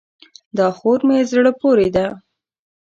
دا خور مې زړه پورې ده.